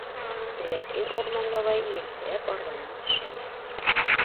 Ләкин Урман бабай елтерәп арбанан төшә лә: